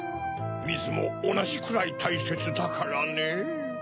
みずもおなじくらいたいせつだからねぇ。